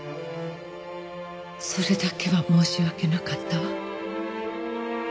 それだけは申し訳なかったわ。